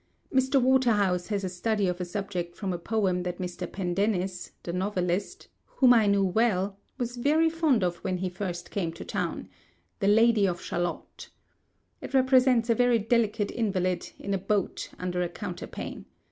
Mr Waterhouse has a study of a subject from a poem that Mr. Pendennis, the novelist (whom I knew well), was very fond of when he first came on the town: "The Lady of Shalott." It represents a very delicate invalid, in a boat, under a counterpane.